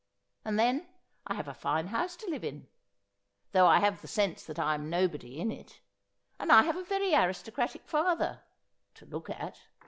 And then I have a fine house to live in ; though I have the sense that I am nobody in it ; and I have a very aristocratic father — to look at.